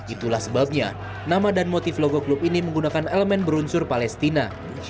itulah sebabnya nama dan motif logo klub ini menggunakan elemen berunsur palestina